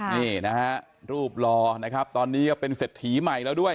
นี่นะฮะรูปหล่อนะครับตอนนี้ก็เป็นเศรษฐีใหม่แล้วด้วย